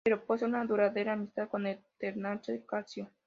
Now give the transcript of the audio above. Pero posee una duradera amistad con el Ternana Calcio.